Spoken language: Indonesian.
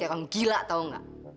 kayak orang gila tau gak